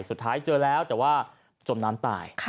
สุดท้ายเจอแล้วแต่ว่าจมน้ำตาย